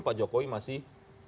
pak jokowi masih